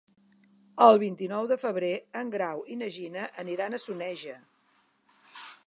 El vint-i-nou de febrer en Grau i na Gina aniran a Soneja.